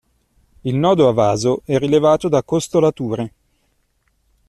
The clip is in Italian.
Il nodo a vaso è rilevato da costolature.